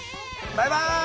バイバイ。